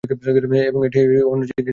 এবং একটি জিনিস অন্য দিকে নিয়ে গেছে।